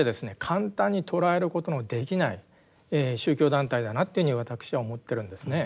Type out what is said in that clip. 簡単に捉えることのできない宗教団体だなっていうふうに私は思ってるんですね。